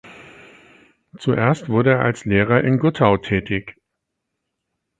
Zuerst wurde er als Lehrer in Guttau tätig.